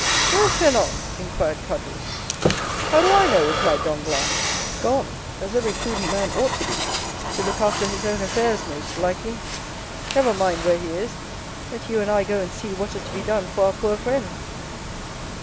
"Where is Fernand?" inquired Caderousse. "How do I know?" replied Danglars; "gone, as every prudent man ought to be, to look after his own affairs, most likely. Never mind where he is, let you and I go and see what is to be done for our poor friends."